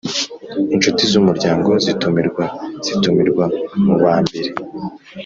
Incuti z’umuryango zitumirwa zitumirwa mubambere